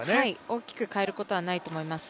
大きく変えることはないと思います。